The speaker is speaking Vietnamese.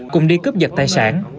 cùng đi cướp vật tài sản